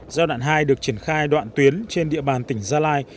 giai đoạn hai được triển khai đoạn tuyến trên địa bàn tỉnh gia lai